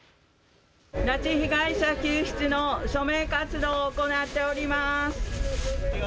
拉致被害者救出の署名活動を行っております。